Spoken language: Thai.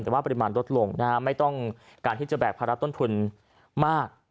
แต่ว่าปริมาณลดลงนะฮะไม่ต้องการที่จะแบกภาระต้นทุนมาก